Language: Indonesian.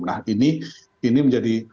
nah ini menjadi